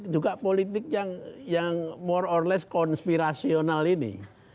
juga politik yang more or less konspirasional ini